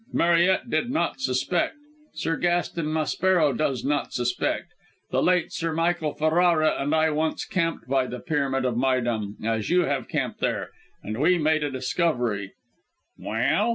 Mariette did not suspect; Sir Gaston Maspero does not suspect! The late Sir Michael Ferrara and I once camped by the Pyramid of Méydûm, as you have camped there, and we made a discovery " "Well?"